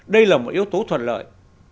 đây là một yếu tố thuận lợi